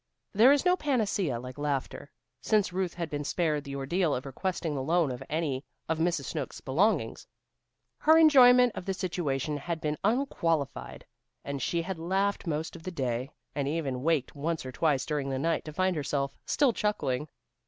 There is no panacea like laughter. Since Ruth had been spared the ordeal of requesting the loan of any of Mrs. Snooks' belongings, her enjoyment of the situation had been unqualified and she had laughed most of the day, and even waked once or twice during the night to find herself still chuckling.